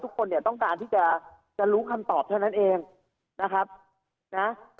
ทุกคนเนี่ยต้องการที่จะรู้คำตอบเท่านั้นเองนะครับนะ